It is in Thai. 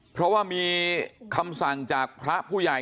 เพราะว่ามีคำสั่งจากพระผู้ใหญ่